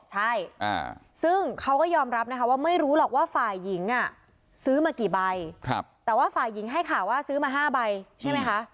ใช่ซึ่งเขาก็ยอมรับนะคะว่าไม่รู้หรอกว่าฝ่ายหญิงซื้อมากี่ใบแต่ว่าฝ่ายหญิงให้ข่าวว่าซื้อมา๕ใบใช่ไหมคะ